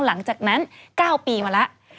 หลังจากนั้น๙ปีมาแล้ว